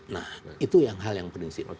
nah itu hal yang prinsip